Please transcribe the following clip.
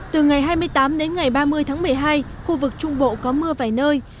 từ ngày hai mươi tám đến ngày ba mươi tháng một mươi hai khu vực trung bộ có mưa vài nơi